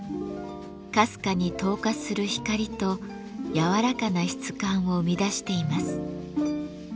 かすかに透過する光と柔らかな質感を生み出しています。